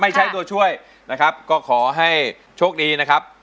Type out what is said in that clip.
ใช้ตัวช่วยนะครับก็ขอให้โชคดีนะครับ